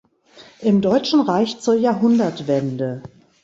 Im Deutschen Reich zur Jahrhundertwende.